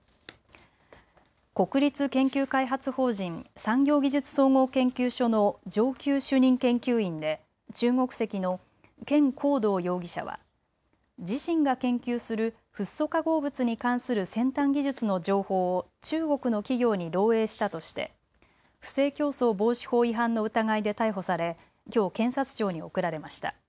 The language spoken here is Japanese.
国立研究開発法人産業技術総合研究所の上級主任研究員で中国籍の権恒道容疑者は自身が研究するフッ素化合物に関する先端技術の情報を中国の企業に漏えいしたとして不正競争防止法違反の疑いで逮捕され、きょう検察庁に送られました。